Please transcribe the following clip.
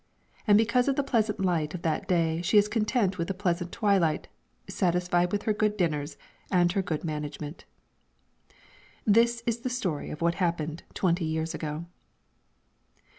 And because of the pleasant light of that day she is content with the present twilight, satisfied with her good dinners and her good management. This is the story of what happened twenty years ago.